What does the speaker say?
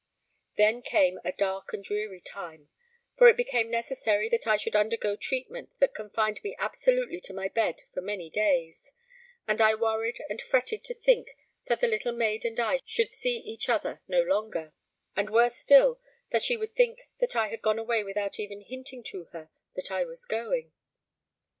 Then came a dark and dreary time, for it became necessary that I should undergo treatment that confined me absolutely to my bed for many days, and I worried and fretted to think that the little maid and I should see each other no longer, and worse still, that she would think that I had gone away without even hinting to her that I was going.